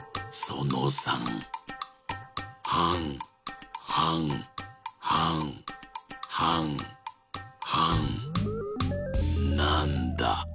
はんはんはんはんはんなんだ？